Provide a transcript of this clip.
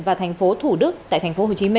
và thành phố thủ đức tại tp hcm